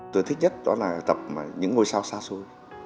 tôi thích nhất đó là tập những ngôi sao xa xôi